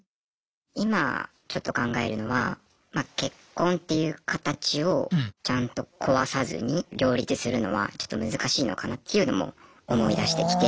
今ちょっと考えるのは結婚っていう形をちゃんと壊さずに両立するのはちょっと難しいのかなっていうのも思いだしてきて。